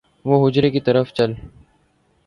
وہ حجرے کی طرف چل